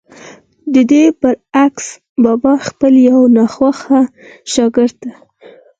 ددې برعکس بابا خپل يو ناخوښه شاګرد ته